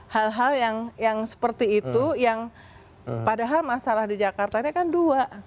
hal hal yang seperti itu yang padahal masalah di jakarta ini kan dua